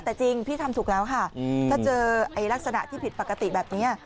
แต่จริงพี่ทำถูกแล้วค่ะถ้าเจอลักษณะที่ผิดปกติแบบนี้